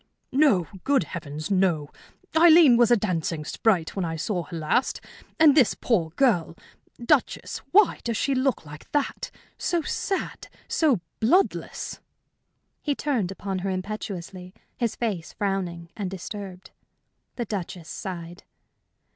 "No! Good Heavens, no! Aileen was a dancing sprite when I saw her last, and this poor girl! Duchess, why does she look like that? So sad, so bloodless!" He turned upon her impetuously, his face frowning and disturbed. The Duchess sighed.